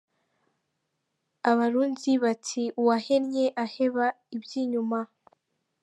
Abarundi bati : Uwahennye aheba iby’inyuma.